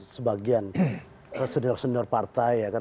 sebagian senior senior partai ya kan